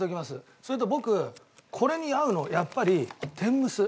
それと僕これに合うのやっぱり。